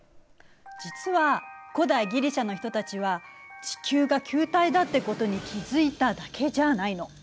実は古代ギリシアの人たちは地球が球体だってことに気付いただけじゃないの。